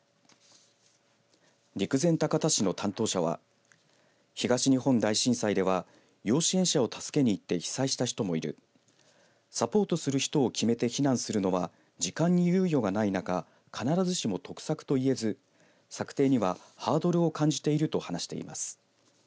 陸前高田市の担当者は東日本大震災では要支援者を助けに行って被災した人もいるサポートする人を決めて避難するのは時間に猶予がない中必ずしも得策といえず策定にはハードルを感じていると話しています。